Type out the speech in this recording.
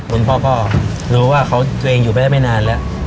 คุณพ่อก็รู้ว่าตัวเองอยู่ไปได้ไม่นานแล้ว